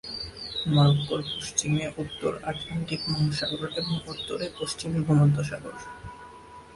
মরক্কোর পশ্চিমে উত্তর আটলান্টিক মহাসাগর এবং উত্তরে পশ্চিম ভূমধ্যসাগর।